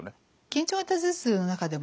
緊張型頭痛の中でもですね